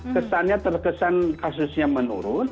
kesannya terkesan kasusnya menurun